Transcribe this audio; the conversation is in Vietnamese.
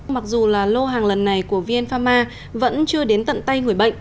mặc dù là lô hàng lần này của vn pharma vẫn chưa đến tận tay người bệnh